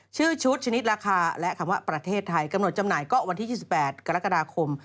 ชื่อชุดชนิดราคาและคำว่าประเทศไทยกำหนดจำหน่ายก็วันที่๒๘กรกฎาคม